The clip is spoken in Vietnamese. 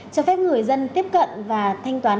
cho phép người dân tiếp cận và thanh toán